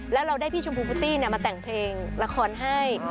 แล้วเราได้พี่ชมพูฟุตตี้มาแต่งเพลงละครให้